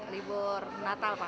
libur natal pak